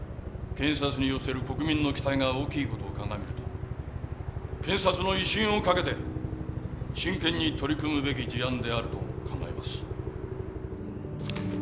検察に寄せる国民の期待が大きい事を鑑みると検察の威信を懸けて真剣に取り組むべき事案であると考えます。